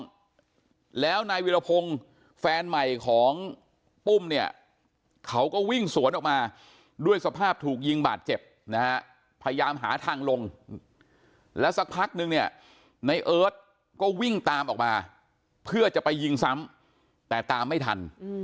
แล้วนายวิรพงศ์แฟนใหม่ของปุ้มเนี่ยเขาก็วิ่งสวนออกมาด้วยสภาพถูกยิงบาดเจ็บนะฮะพยายามหาทางลงแล้วสักพักนึงเนี่ยในเอิร์ทก็วิ่งตามออกมาเพื่อจะไปยิงซ้ำแต่ตามไม่ทัน